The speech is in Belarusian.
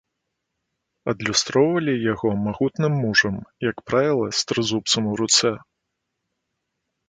Адлюстроўвалі яго магутным мужам, як правіла, з трызубцам у руцэ.